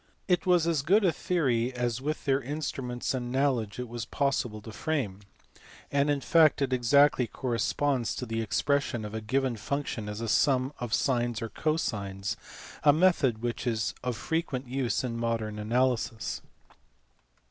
It was as good a theory as with their instruments and knowledge it was possible to frame, and in fact it exactly corresponds to the expression of a given function as a sum of sines or cosines, a method which is of frequent use in modern analysis.